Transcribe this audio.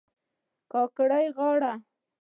کاکړۍ غاړي